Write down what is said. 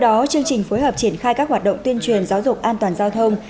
tổ chức triển khai các hoạt động tuyên truyền giáo dục an toàn giao thông